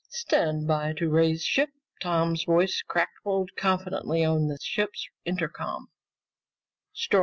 "Stand by to raise ship!" Tom's voice crackled confidently over the ship's intercom.